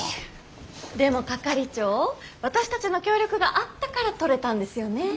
でも係長私たちの協力があったから取れたんですよね。